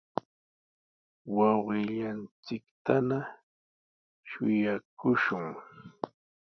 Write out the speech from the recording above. wawqillanchiktana shuyaakushun.